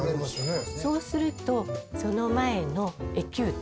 そうするとその前のエキュート。